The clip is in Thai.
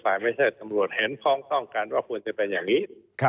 ไม่ใช่ตำรวจเห็นพ้องต้องกันว่าควรจะเป็นอย่างนี้